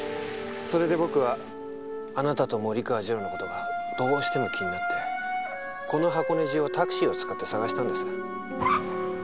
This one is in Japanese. それで僕はあなたと森川次郎の事がどうしても気になってこの箱根中をタクシーを使って捜したんです。